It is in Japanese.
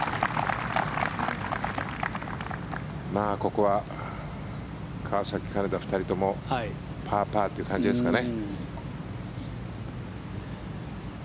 ここは川崎、金田２人ともパー、パーという感じですかね。